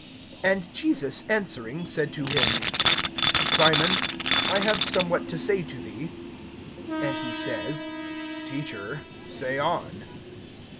(40)And Jesus answering said to him: Simon, I have somewhat to say to thee. And he says: Teacher, say on.